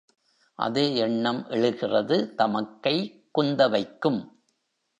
அதே எண்ணம் எழுகிறது தமக்கை குந்தவைக்கும்.